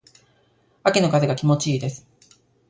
秋の風が気持ち良いです。